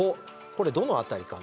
これどの辺りかな？